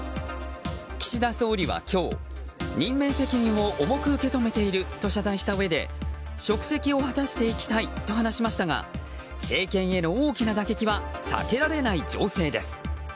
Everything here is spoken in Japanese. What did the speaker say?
岸田総理は今日任命責任を重く受け止めていると謝罪したうえで職責を果たしていきたいと話しましたが政権への大きな打撃は避けられない情勢です。